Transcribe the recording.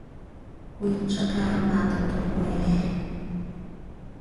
Cói tzacaamat oo, toc cömiij.